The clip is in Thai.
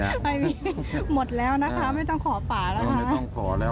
มีอ่ะมีหมดแล้วนะคะไม่ต้องขอป่านะคะ